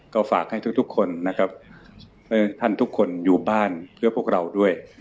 ก็ฝากให้ทุกคนนะครับให้ท่านทุกคนอยู่บ้านเพื่อพวกเราด้วย